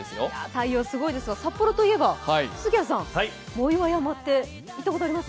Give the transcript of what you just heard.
太陽すごいですが、札幌といえば杉谷さん、藻岩山、登ったことあります？